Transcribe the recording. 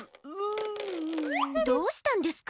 ん‼どうしたんですか？